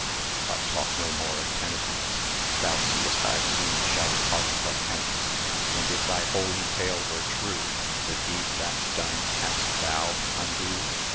But talk no more of penitence; Thou seest I soon shall part from hence: And if thy holy tale were true, The deed that's done canst thou undo?